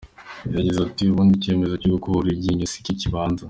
Yagize ati ”Ubundi icyemezo cyo gukura iryinyo si cyo kibanza.